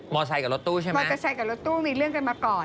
กับรถตู้ใช่ไหมมอเตอร์ไซค์กับรถตู้มีเรื่องกันมาก่อน